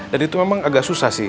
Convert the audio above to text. dan itu memang agak susah sih